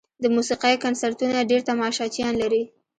د موسیقۍ کنسرتونه ډېر تماشچیان لري.